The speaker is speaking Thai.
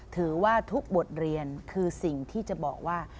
ถือว่าทุกบทเรียนคือสิ่งที่จะบอกว่า